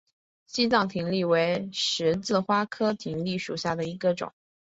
西藏葶苈为十字花科葶苈属下的一个种。